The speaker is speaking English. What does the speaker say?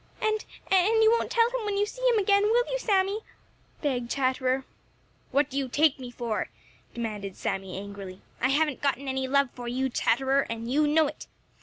"And—and you won't tell him when you see him again, will you, Sammy?" begged Chatterer. "What do you take me for?" demanded Sammy angrily. "I haven't got any love for you, Chatterer, and you know it.